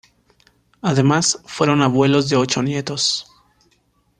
Además, fueron abuelos de ocho nietos.